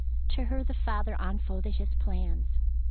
To her the father unfolded his plans.